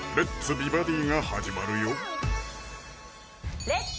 美バディ」が始まるよ「レッツ！